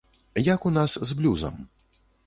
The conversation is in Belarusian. Як у нас з блюзам?